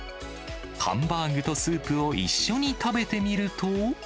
ハンバーグとスープを一緒に食べてみると。